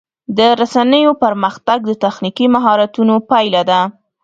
د رسنیو پرمختګ د تخنیکي مهارتونو پایله ده.